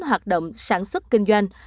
hoạt động sản xuất kinh doanh